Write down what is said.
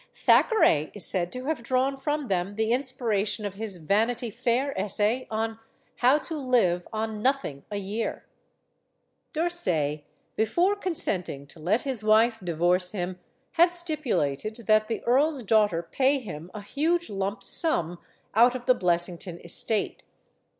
Thackeray is said to have drawn from them the in spiration of his "Vanity Fair" essay on "How to Live on Nothing a Year." D'Orsay, before consenting to let his wife divorce him, had stipulated that the earl's daughter pay him a huge lump sum out of the Blessing ton estate.